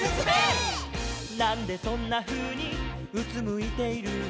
「なんでそんなふうにうつむいているの」